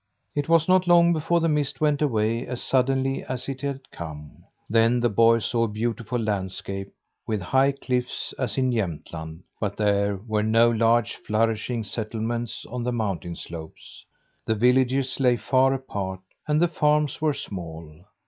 It was not long before the mist went away as suddenly as it had come. Then the boy saw a beautiful landscape, with high cliffs as in Jämtland, but there were no large, flourishing settlements on the mountain slopes. The villages lay far apart, and the farms were small.